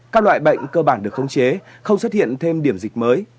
các loại bệnh cơ bản được khống chế không xuất hiện thêm điểm dịch mới